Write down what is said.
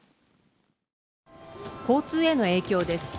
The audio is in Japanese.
交通への影響です